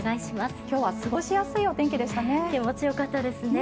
今日は過ごしやすいお天気でしたね。